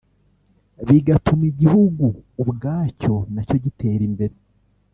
bigatuma igihugu ubwacyo na cyo gitera imbere